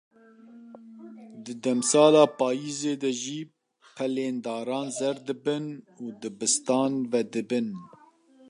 Di demsala payîzê de jî, pelên daran zer dibin û dibistan vedibin.